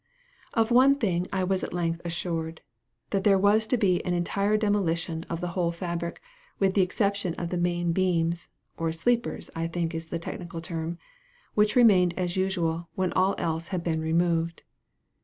Of one thing I was at length assured that there was to be an entire demolition of the whole fabric, with the exception of the main beams, (or sleepers, I think is the technical term,) which remained as usual, when all else had been removed.